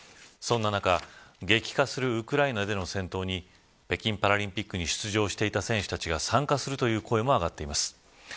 そんな中激化するウクライナでの戦闘に北京パラリンピックに出場していた選手たちが参加するという声も上がっています。